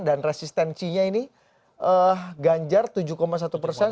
dan resistensinya ini ganjar tujuh satu persen